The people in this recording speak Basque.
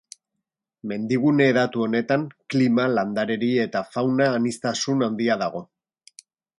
Mendigune hedatu honetan klima, landaredi eta fauna aniztasun handia dago.